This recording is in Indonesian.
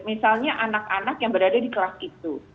misalnya anak anak yang berada di kelas itu